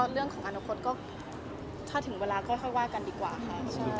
เรื่องของอนโครตถ้าถึงเวลาไม่จะค่อยว่ากันดีกว่าคะ